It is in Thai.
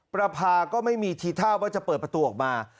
ประพาก็ไม่มีทีท่าว่าจะเปิดประตูออกมา